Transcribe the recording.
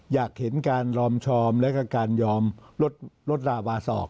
อยากเห็นการลอมชอมแล้วก็การยอมลดลาวาสอก